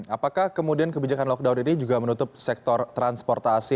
apakah kemudian kebijakan lockdown ini juga menutup sektor transportasi